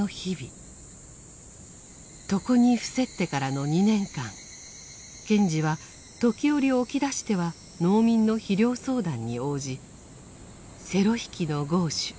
床に伏せってからの２年間賢治は時折起き出しては農民の肥料相談に応じ「セロ弾きのゴーシュ」